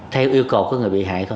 theo yêu cầu của người bị hại